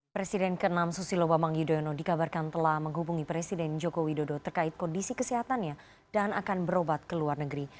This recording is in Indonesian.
presiden ke enam susilo bambang yudhoyono dikabarkan telah menghubungi presiden joko widodo terkait kondisi kesehatannya dan akan berobat ke luar negeri